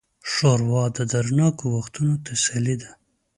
ښوروا د دردناکو وختونو تسلي ده.